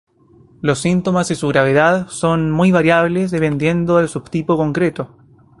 Los síntomas y su gravedad son muy variables dependiendo del subtipo concreto.